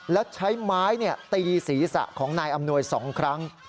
แล้วใช้ไม้ตีศีรษะของนายอำนวย๒ครั้ง